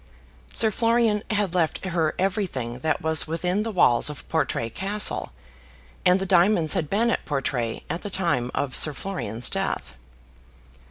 Sir Florian had left her everything that was within the walls of Portray Castle, and the diamonds had been at Portray at the time of Sir Florian's death.